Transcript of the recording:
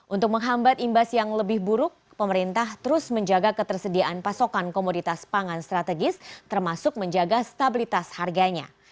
untuk menghambat imbas yang lebih buruk pemerintah terus menjaga ketersediaan pasokan komoditas pangan strategis termasuk menjaga stabilitas harganya